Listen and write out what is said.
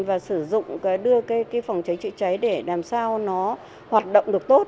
và sử dụng đưa cái phòng cháy chữa cháy để làm sao nó hoạt động được tốt